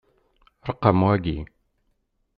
Ṛeqqɛem waki.